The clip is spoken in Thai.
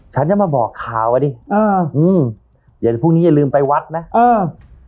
ฉันจะมาบอกข่าวอ่ะดิอ่าอืมเดี๋ยวพรุ่งนี้อย่าลืมไปวัดนะเออ